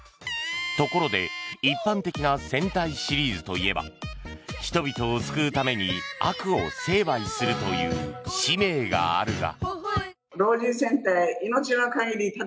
ところで一般的な戦隊シリーズといえば人々を救うために悪を成敗するという使命があるが。